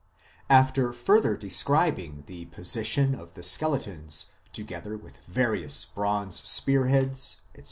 After further describing the position of the skeletons together with various bronze spear heads, etc.